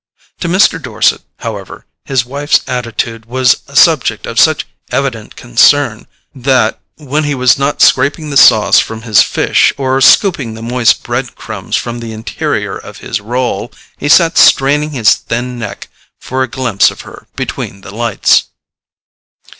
To Mr. Dorset, however, his wife's attitude was a subject of such evident concern that, when he was not scraping the sauce from his fish, or scooping the moist bread crumbs from the interior of his roll, he sat straining his thin neck for a glimpse of her between the lights.